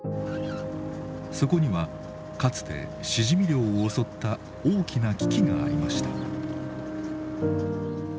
そこにはかつてしじみ漁を襲った大きな危機がありました。